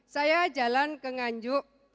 saya jalan ke nganjuk